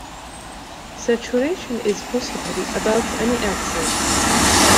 Saturation is possible about any axis.